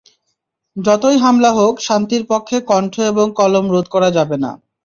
যতই হামলা হোক, শান্তির পক্ষে কণ্ঠ এবং কলম রোধ করা যাবে না।